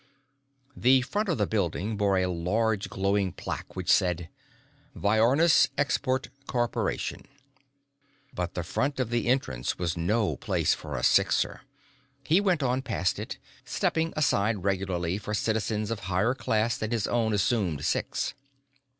The front of the building bore a large glowing plaque which said: VIORNIS EXPORT CORPORATION But the front entrance was no place for a Sixer. He went on past it, stepping aside regularly for citizens of higher class than his own assumed Six.